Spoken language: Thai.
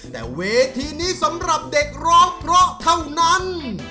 แต่เวทีนี้สำหรับเด็กร้องเพราะเท่านั้น